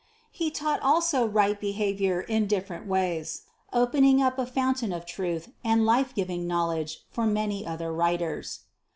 He taught also right behavior in different ways, opening up a fountain of truth and life giving knowledge for many other writers.